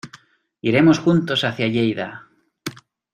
Iremos juntos hacia Lleida.